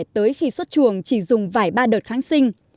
tới khi xuất chuồng chỉ dùng vài ba đợt kháng sinh